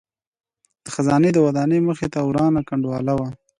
د خزانې د ودانۍ مخې ته ورانه کنډواله وه.